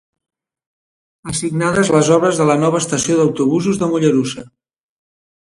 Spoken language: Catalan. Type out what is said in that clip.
Assignades les obres de la nova estació d'autobusos de Mollerussa.